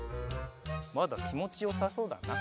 まだきもちよさそうだな。